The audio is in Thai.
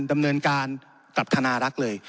ดำเนินการกับธนารักษ์เลย